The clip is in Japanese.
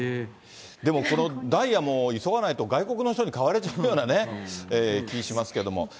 でもこのダイヤも急がないと、外国の人に買われちゃうような気しますけども。